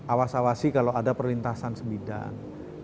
awas awasi kalau ada perlintasan sembidan